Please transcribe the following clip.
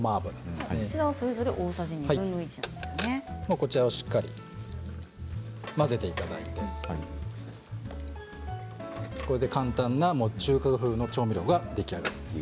こちらをしっかりと混ぜていただいてこれで簡単な中華風の調味料が出来上がります。